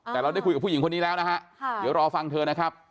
แต่เราได้คุยกับผู้หญิงคนนี้แล้วนะฮะเดี๋ยวรอฟังเธอนะครับ